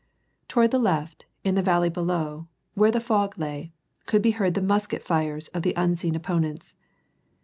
Toward the left, in the valley below, where the fog lay. could be heard the musket fires of the unseen opponents.